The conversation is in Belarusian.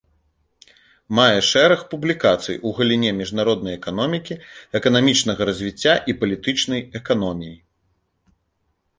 Мае шэраг публікацый у галіне міжнароднай эканомікі, эканамічнага развіцця, і палітычнай эканоміі.